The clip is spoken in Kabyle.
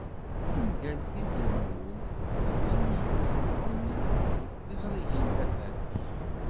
Ungal tirga n wul d win i d-yeffɣen deg tiẓrigin Tafat.